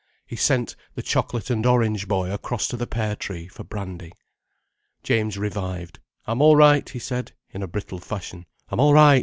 He sent the chocolate and orange boy across to the Pear Tree for brandy. James revived. "I'm all right," he said, in a brittle fashion. "I'm all right.